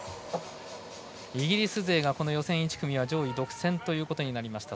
イギリス勢が予選１組は上位独占となりました。